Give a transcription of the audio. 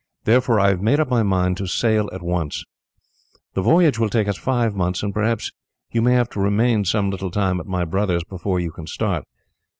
Therefore, I have made up my mind to sail at once. The voyage will take us five months, and perhaps you may have to remain some little time, at my brother's, before you can start.